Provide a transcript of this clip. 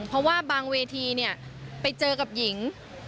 เพราะว่าบางเวทีเนี่ยไปเจอกับหญิง